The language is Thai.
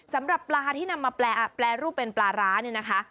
สำหรับปลาที่นำมาแปรรูปเป็นปลาร้าเนี่ยนะคะ